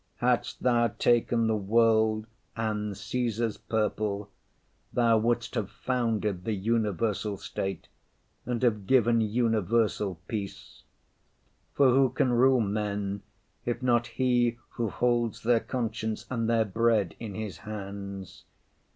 Hadst Thou taken the world and Cæsar's purple, Thou wouldst have founded the universal state and have given universal peace. For who can rule men if not he who holds their conscience and their bread in his hands?